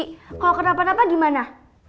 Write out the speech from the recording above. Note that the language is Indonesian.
kalau kenapa napa gimana